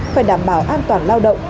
phải đảm bảo an toàn lao động